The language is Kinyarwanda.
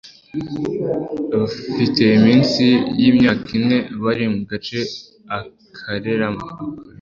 bafite munsi y'imyaka ine bari mu gace ukoreramo